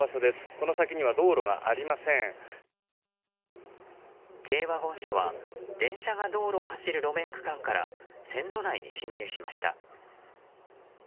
この先には軽ワゴン車は電車が道路を走る路面区間から線路内に進入しました。